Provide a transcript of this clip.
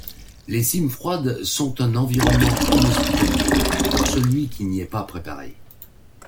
Les Cimefroides sont un environnement inhospitalier pour celui qui n’y est pas préparé.